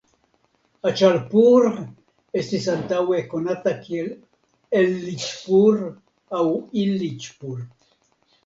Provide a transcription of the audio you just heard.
Aĉalpur estis antaŭe konata kiel Elliĉpur aŭ Illiĉpur.